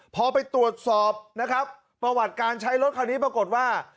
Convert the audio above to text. พอไปตรวจสอบนะครับประวัติการใช้รถคันนี้ปรากฏว่า